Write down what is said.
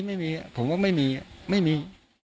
ไม่มีผมว่าไม่มีไม่มี